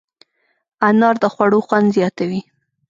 انار د خوړو خوند زیاتوي.